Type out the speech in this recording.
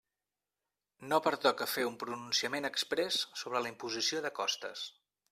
No pertoca fer un pronunciament exprés sobre la imposició de costes.